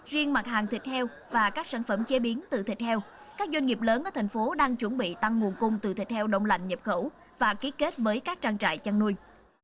riêng mặt hàng thịt heo và các sản phẩm chế biến từ thịt heo các doanh nghiệp lớn ở thành phố đang chuẩn bị tăng nguồn cung từ thịt heo đông lạnh nhập khẩu và ký kết với các trang trại chăn nuôi